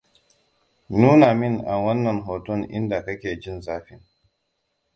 nuna min a wannan hoton inda kake jin zafin